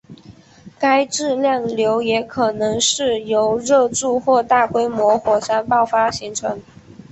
该质量瘤也可能是由热柱或大规模火山爆发形成。